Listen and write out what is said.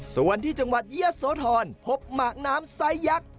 ส่วนที่จังหวัดเยียะโสธรพบหมากน้ำไซสยักษ์